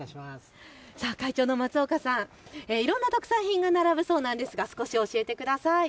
会長の松岡さん、いろんな特産品が並ぶそうなんですが少し教えてください。